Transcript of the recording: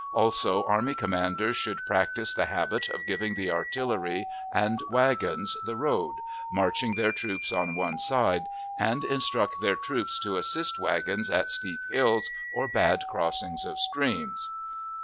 Also, army commanders should practise the habit of giving the artillery and wagons the road, marching their troops on one side, and instruct their troops to assist wagons at steep hills or bad crossings of streams.